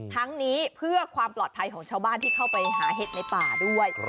ทั้งนี้เพื่อความปลอดภัยของชาวบ้านที่เข้าไปหาเห็ดในป่าด้วย